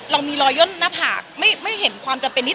เรามีรอยย่นหน้าผากไม่เห็นความจำเป็นนิด